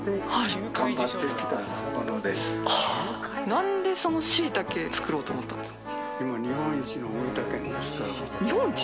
何でしいたけ作ろうと思ったんですか？